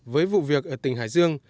với vụ việc ở tỉnh hải dương